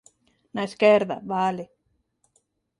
Na esquerda, vale.